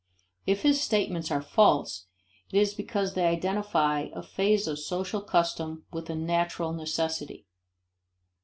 If his statements are false, it is because they identify a phase of social custom with a natural necessity.